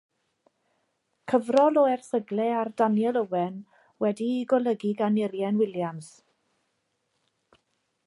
Cyfrol o erthyglau ar Daniel Owen wedi'i golygu gan Urien Williams.